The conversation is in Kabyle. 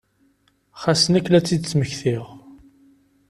Xas nekk la tt-id-tmektiɣ.